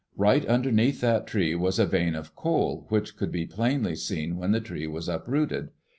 Right underneath that tree was a vein of coal which could be plainly seen when the tree was uprooted.